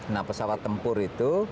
nah pesawat tempur itu